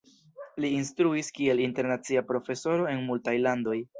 Li instruis kiel internacia profesoro en multaj landoj.